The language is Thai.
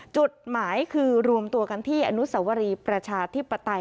จุดหมายคือรวมตัวกันที่อนุสวรีประชาธิปไตย